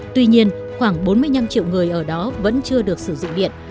tuy nhiên khoảng bốn mươi năm triệu người ở đó vẫn chưa được sử dụng điện